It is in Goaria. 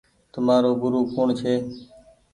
تمآرو گورو ڪوڻ ڇي۔